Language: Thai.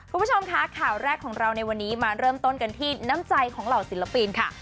คุณผู้ชมคะข่าวแรกของเราในวันนี้มาเริ่มต้นกันที่น้ำใจของเหล่าศิลปินค่ะ